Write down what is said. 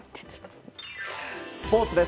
スポーツです。